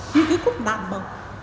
như cái khúc đàn bầu